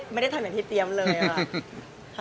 ไม่ได้ทำอย่างที่เตรียมเลยค่ะ